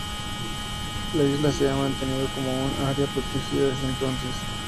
La isla se ha mantenido como un área protegida desde entonces.